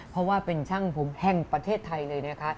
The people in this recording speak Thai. เพราะว่าเป็นช่างผมแห่งประเทศไทยเลยนะคะ